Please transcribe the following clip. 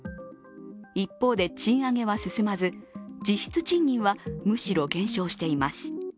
一方で賃上げは進まず実質賃金はむしろ減少しています。